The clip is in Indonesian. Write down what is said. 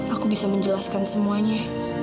aku bisa menjelaskan semuanya